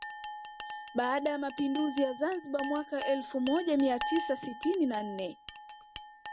Baada ya mapinduzi ya Zanzibar mwaka elfu moja mia tisa sitini na nne